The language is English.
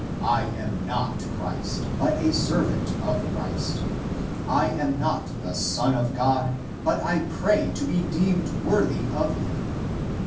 I am not Christ, but a servant of Christ. I am not the Son of God, but I pray to be deemed worthy of him.